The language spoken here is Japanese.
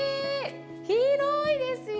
広いですよ。